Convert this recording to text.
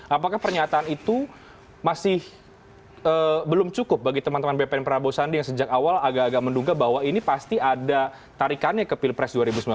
apakah pernyataan itu masih belum cukup bagi teman teman bpn prabowo sandi yang sejak awal agak agak menduga bahwa ini pasti ada tarikannya ke pilpres dua ribu sembilan belas